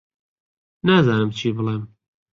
نازانم جێ بڵێم